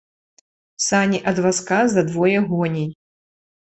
Сані ад вазка за двое гоней.